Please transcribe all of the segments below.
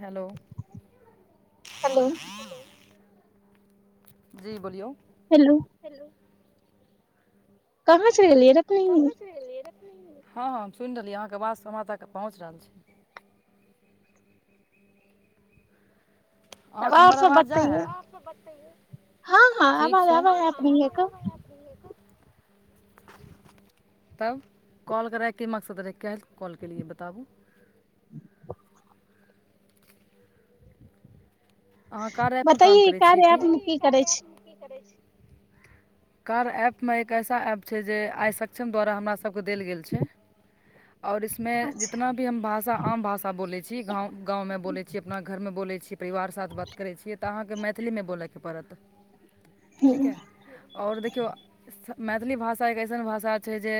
Hello hello जी बोलियौ hello hello कहाँ चल गेलियै रहे अपने हँ हँ सुनि रहलियै अहाँके बातसँ हम त पहुँच रहल छै अहाँके आओर हमर सब आवाज बतेे जाइ हइ हँ हँ ठीक आवाज छै आवाज अपनी ह [inaudible] तब कॉल करैके मकसद रहै क कॉल केलये बताबू [inaudible] अहाँ कार्या एप म काम बतैये करै छियै कार्य की ऐप मे करै छी की करै छी [inaudible] कार्य ऐप मे एक ऐसा ऐप छै जे आइ सक्षम द्वारा हमरासके देल गेल छै और इसमे अच्छा जितना हम भाषा आम भाषा बोलै छी गाँव गाँव मे बोल छी अपना घर मे बोले छी परिवार साथ बात करै छियै तऽ अहाँके मैथिलीमे बोलैके पड़त ठीक हूँ ह और देखियौ मैथिली भाषा एक अइसन भाषा छै जे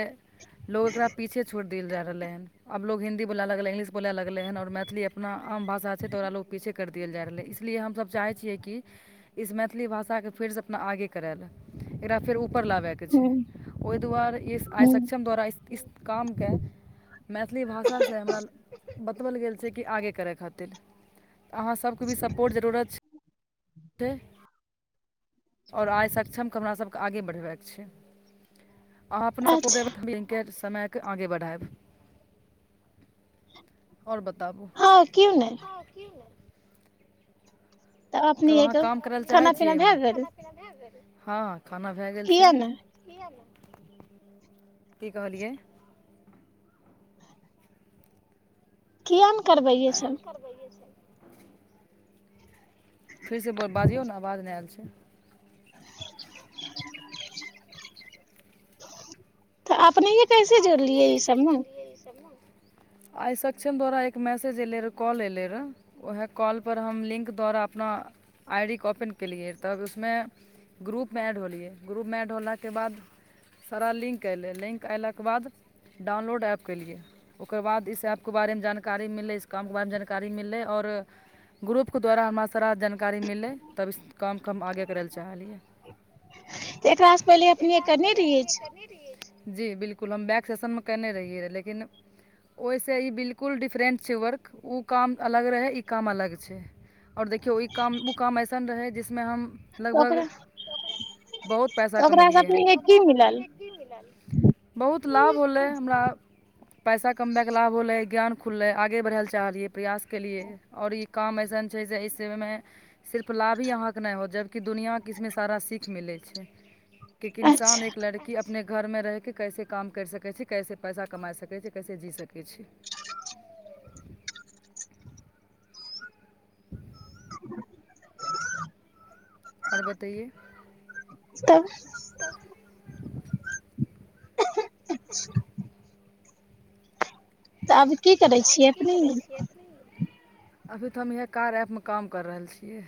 लो एकरा पीछे छोड़ देल जा रहले हन अब लोग हिन्दी बोला लगलै इंगलिश बोलै लगलै हँ आओर मैथिली अपना आम भाषा छै तऽ ओकरा लोग पीछे कर देल जा रहले इसलिए हमसब चाहै छियै कि इस मैथिली भाषा के फेर से अपना आगे करे ले एकरा फेर ऊपर लाबे छै हूँ ओहि दुआरे इ आइ हूँ सक्षम द्वारा इस इस कामके मैथिली भाषासँ हमरा बताओल गेल छै कि आगे करै खातिर तऽ अहाँ सभकेँ भी सपोर्ट जरूरत छै छै और आइ सक्षमके हमरासके आगे बढ़बाक छै अहाँ अपन स्पोर्ट देबै अच्छा तो मौथिली केज समय आगे बढ़ायब आओर बताबू हँ केओ नइ ह क्युह नहि तऽ तब अपने अहाँ के काम करय लए चाहै खाना छियै पीना एहिमे भए गेल खाना पिना भैल छै हँ खाना भए गेल छै किया ने की कहलियै किआक नहि करबैय सब फेरसँ ब बाजियौ ने आवाज नहि आयल छै तऽ अपने छड तऽ अपनेही कैसे जोड़लियै ईस। भमे र आइ सक्षम द्वारा एक मैसेज एयलै रहए कॉल एयलै रहए उएह कॉलपर हम लिंक द्वारा अपना आई डीे ओपन केलियै तब उसमे ग्रुपमे एड होलियै ग्रुपमे एड होलाके बाद सारा लिंक अएलै लिंक अएलाके बाद ओकर बाद डाउनलोड ऐप केलियै ओकर बाद इस ऐपके बारेमे जानकारी मिललै कामके बारेमे जानकारी मिललै आओर ग्रुपके द्वारा हमरा सारा जानकारी मिललै तब कामके हम आगे करै लए चाहलियै एकरास से पहिले अपने करने इछ जी बिलकुल हम बैक सेशनमे कयने रहियै रहए लेकिन ओइसे ई बिल्कुल डिफरेन्ट छै वर्क उ काम अलग रहै ई काम अलग छै और देखियौ ई काम ओ काम ऐसन रहै जिसमें हम तऽ लगभग ओकरा बहुत पैसा तऽ ओकरा से कमेलियै अपने की मिलल [unintelligible] बहुत लाभ होलै हमरा पैसा कमबैके लाभ होलै ज्ञान खुललै आगे बढ़ै लए चाह रहलहि प्रयास केलिए आओर ई काम अइसन छै जे एहिसमे सिर्फ लाभ ही अहाँके नइ होत जबकि दुनिआँके इसमे सारा सीख मिलै छै कि इन्सान अच्छा एक लड़की अपने घर मे रहके कैसे काम करि सकै छै कैसे पैसा कमा सकै छै कैसे जी सकै छै [inaudible] आओर बतइए तऽ आ [inaudible] तऽ अभी की करै छियै अपने अभी तऽ हम इएह कार्य ऐपमे काम कर रहल छियै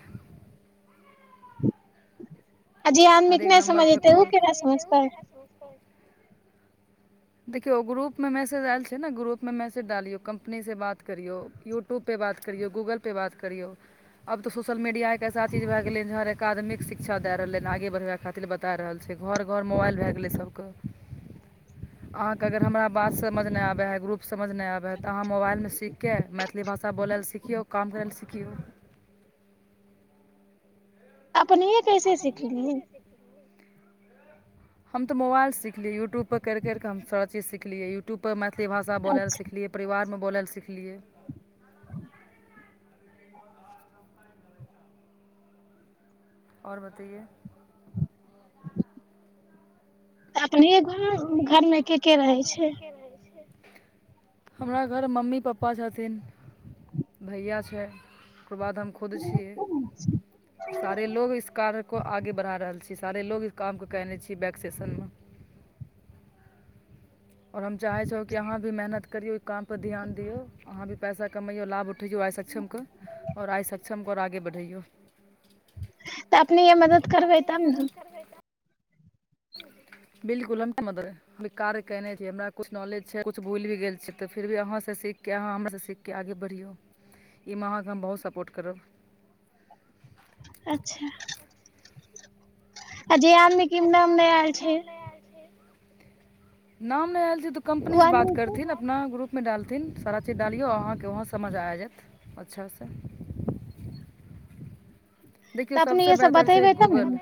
अजी आदमीे हरेक नहि समझेतै ओ केना समझते ह देखियौ ग्रुप मे मैसेज आयल छै ने ग्रुप मे मैसेज डालियौ कम्पनी से बात करियौ यूट्यूब पे बात करियऔ गूगल पे बात करियऔ अब तऽ सोशल मीडिया एकऐसा चीज भ गेले हर एक आदमिक शिक्षा द रहल ह आगे बढ़आ खातिर बता रहल छै घर घर मोबाइल भए गेलै सबके अहाँके अगर हमरा बात समझ नहि आबै हइ ग्रुप समझ आबै हइ तऽहाँ मोबाइलमे सीखिके मैथिल भाषा बोलै लए सीख यौ काम भेल सिखियौ अपने अब नये पैसे से हम तऽ मोबाइल सीखलियै युटुब पर कर कर हम‌ सब सिखलिए ट्यूब पर मैथिल भाषा बोलैए अच्छा सिखलियै परिवार मे बोलै लए सिखलिए और बतइए अपने घर घर मे के के रहे छै [unintelligible] हमरा घर मम्मी पापा पपा छथिन भैया छै ओकर बाद हम खुद छियै सारे लोग इस कार्य को आगे बढ़ा रहल छी सारे लोग काम के केने छी बैक सेशन मे ओर हम चाहै छि कि अहाँ भी मेहनत करियौ ओ कामपर ध्यान दियौ अहाँ भी पैसा कमैयऔ लाभ उठैयऔ आइ सक्षमके और आइ सक्षमके और आगे बढ़ैयऔ तऽ अपने य मदद करबै तब ने बिलकुल [unintelligible] कार्य केने [unintelligible] हमरा कुछ नलेज छै कुछ भुलि भी गेल छी त फिर भी आहा स सीख के अहां हमरा स सीख क के आगे बढ़ियौ एहिमे अहाँके हम बहुत सपोर्ट करब अच्छा आ जे आदमी के आ जे नाम नहि आदमी के आयल छै नाम नइ आएल छै नाम नइ आएल छै त ओ कम्पनीसँ आदमी बात के करथिन न नाम ग्रुपमे डालथिन सारा चीज डालिऔ अहाँके उहो समझ आ जायत अच्छासे देखियौ तऽ सबसे अपने सब बेहतर छै बतेबै तब गूगल ने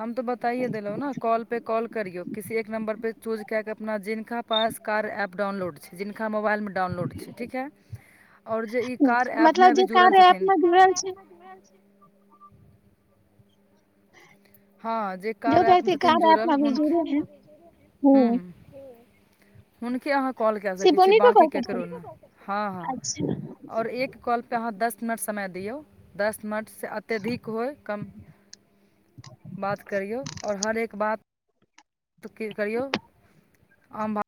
हम तो बताइे देलौ न कॉल पे कॉल करियौ किसी एक नम्बर पर चूज क के अपना जिनका पास कार्य एप डाउनलोड छय जिनका मोबाइलमे डाउनलोड छै ठीक है और जे ई कार्य एप मे मतलब अभी जे जुड़ल कार्य ऐप छथिन मे जुड़ल छै हँ जे जो कार्य ऐपमे व्यक्ति छथिन कार्य ऐप जुड़ल मे अभी हुनक जुड़े है ह हूँ हुनके अहाँ कॉल कए सकै छी शिवोनी के बाँकी कॉल कर सकै। ककरो नहि हँ हँ अच्छा ओर एक कॉलपअ अहाँ दस मिनट समय दियौ दस मिनटसँ अत्यधिक होय कम बात करियौ आ हर एक बात करियौ आ भ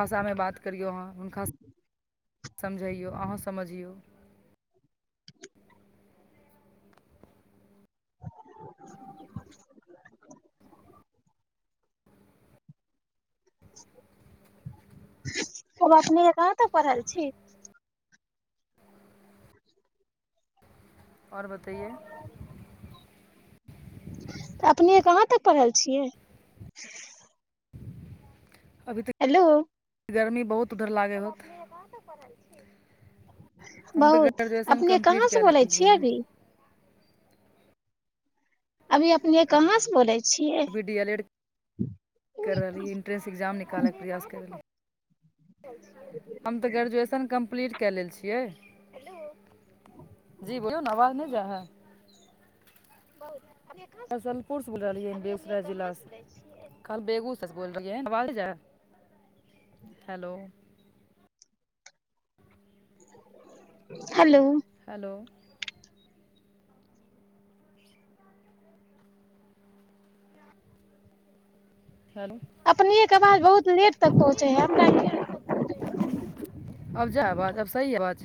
भाषामे बात करियो अहाँ हुनका समझैयौ अहों समझियौ तब अपने के कहाँ तक पढ़ल छी आओर बतैयै तऽ अपने कहाँ तक पढ़ल छियै अभी तक हेलो गर्मी बहुत उधर लागे होत हम तऽ बहुत ग्रेजुएशन अपने कहाँ कम्प्लीट से कए बोलै लेलियै छियै हन अभी अभी अपने कहाँ से बोलेै अभी डी एल एड कर रहली इन्ट्रेन्स एग्जाम निकालैके प्रयास कर रहली हम तऽ ग्रेजुएन कम्पलीट कए लेल छियै जी बोलियौ ने आवाज नहि जाय हय हसनपुरसँ बोल रहलियै हन बेगूसराय जिलासँ खल बेगूस [unintelligible] बोलब बज हेलो हेलो हेलो हेलो अपनीए के आवाज बहुत लेट तक पहुँचे है आ [unintelligible] क अब जा हय आवाज आब सही है आवाज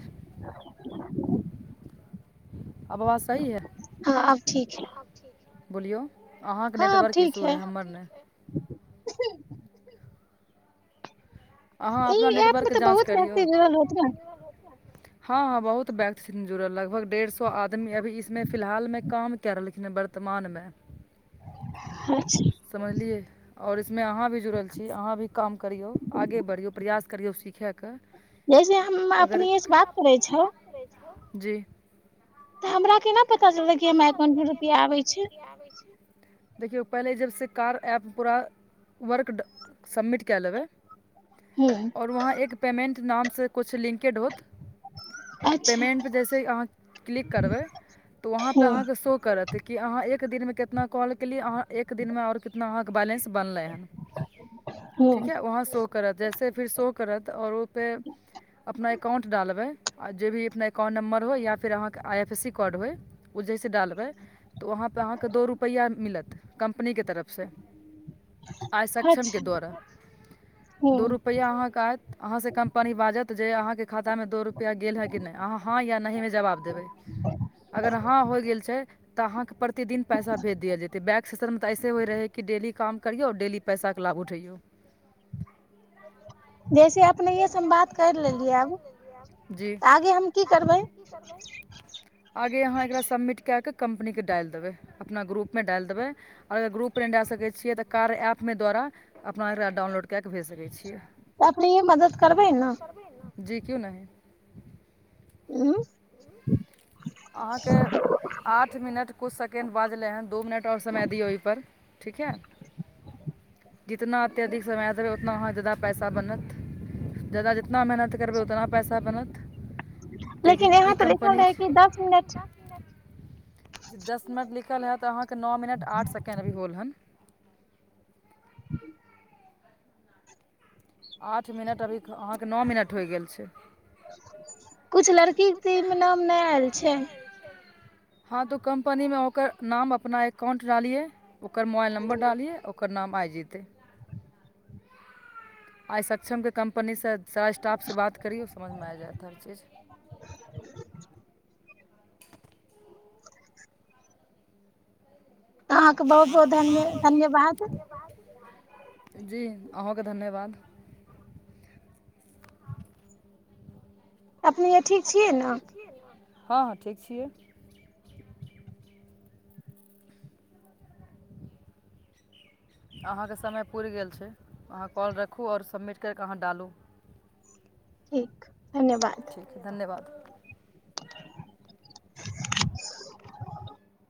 आब आवाज सही हय हँ आब ठीक हय बोलियउ अहाँके अब नेटवर्क ठीक इशू है अइ हमर नै अहाँ ई अपना एप नेटवर्क मे के तऽ जाँच बहुत करियौ व्यक्ति जुड़ल होत ने हँ हँ बहुत व्यक्ति छथिन जुड़ल लगभग डेढ़ सौ आदमी अभी इसमे फिलहाल मे काम के रहलखिन हें बर वर्तमानमे अच्छा समझलियै आओर इसमे अहाँ भी जुड़ल छी अहाँ भी काम करियौ आगे बढ़ियौ प्रयास करियौ सीखयके जैसे हम अगर अपनीये से बात करै छै जी तऽ हमरा केना पता चलतै कि हमरा एकांउट मे रुपिया आबै छै [inaudible] देखियौ पहिले जबसँ कार्य ऐप पूरा वर्क सबमिट कए लेबै हूंम्म हूंम्म ओर वहाँ एक पेमेन्ट नामसँ किछु लिंकेड होत अच्छा पेमेंट पे जेसेहि अहाँ क्लिक करबै तऽ वहाँ पे हूँ अहाँ के शो करत तऽ कि अहाँ एक दिनमे केतना कॉल केलियै अहाँ एक दिनमे आओर कितना अहाँके बैलेन्स बनलै हन च [inaudible] ठीक है वहाँ शो करत जैसे फिर शो करत और ओ पे अपना एकाउंट डालबै आ जे भी अपना अकाउंट नम्बर होइ या फिर अहाँके I F A C code होइ उ जैसे डालबै तऽ वहाँपे अहाँके दो रुपैआ मिलत कम्पनी के तरफ से आइ सक्षम के अच्छा द्वारा दू रूप हूँ रुपैया आहाँ के आयत अहाँ से कम्पनी बाजत जे अहाँ के खाता मे दो रुपआ गेल है कि नहि अहाँ हँ या नहि मे जवाब देबै ब [inaudible] अगर हॅं होय गेल छै तऽ अहाँके प्रतिदिन पैसा भेज देल जेतै बैक सेसन मे तऽ ऐसे होय रहै कि डेली काम करिऔ डेली पैसाके लाभ उठैयौ जैसे अपनैये से हम बात कर लेलियै तऽ आगे हम की करबै करबै आगे अहाँ एकरा सबमिट कए कऽ कम्पनीके डाल देबै अपना ग्रुपमे डाल देबै आओर अगर ग्रुप डे जाए सकै छियै तऽ कार ऐपमे द्वारा अपना एकरा डाउनलोड कए कऽ भेज सकैत छियै अपने मदद करबै मदद ने करबै न जी क्यो नहि उ ह [inaudible] [unintelligible] अहाँके आठ मिनट कुछ सेकेण्ड बाजलै हँन दू मिनट आओर समय दियौ अईपर ठीक हइ जितना अत्यधिक समय देबै उतना अहाँ जादा पैसा बनत जाददा जितना मेहनत करबै उतना पैसा बनत किएकि लेकिन यहाँ ई तऽ लिखल कम्पनी रहै कि छै दस मिनट दस मिनट लिखल हए तऽ अहाँके नओ मिनट आठ सेकेण्ड अभी होल हन आठ मिनट अभी अहाँके न मिनट होइ गेल छै कुछ लड़की ति मे नाम नहि आयल छै हँ तो कंपनी मे ओकर नाम अपना अकाउंट डालिये ओकर मोबाइल नंमबर डालिये ओ ओकरणाम आय जेतै आइ सक्षमके कम्पनीसँ सारा स्टाफसँ बात करि यै समझमे आबि जायत हर चीज [unintelligible] [inaudible] अहाँके ह बहुत धन्य बहुत धन धन्यवाद धन्यवाद जी अहुके धन्यवाद अपने ठीक छियै न हँ हँ ठीक छियै अहाँके समय पुरि गेल छै अहाँ कॉल रखू आओर समिट करि कऽ अहाँ डालू ठीक धन्यवाद ठीक धन्यवाद [inaudible] [inaudible]